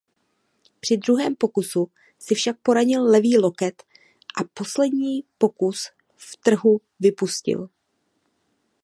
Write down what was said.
Při druhém pokusu si však poranil levý loket a poslední pokus v trhu vypustil.